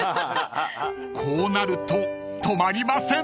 ［こうなると止まりません］